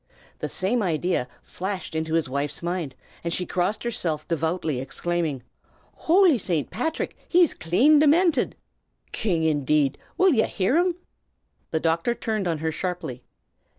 The same idea flashed into his wife's mind, and she crossed herself devoutly, exclaiming, "Howly St. Pathrick, he's clane diminted. 'King,' indade! will ye hear um?" The doctor turned on her sharply.